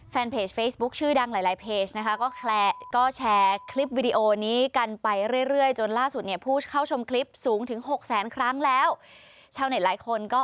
แฟนเพจเฟซบุ๊กชื่อดังหลายหลายเพจนะคะก็แคลร์ก็แชร์คลิปวิดีโอนี้กันไปเรื่อย